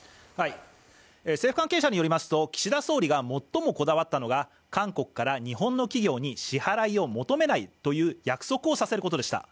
政府関係者によりますと、岸田総理が最もこだわったのが韓国から日本の企業に支払いを求めないという約束をさせることでした。